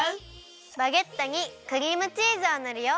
バゲットにクリームチーズをぬるよ。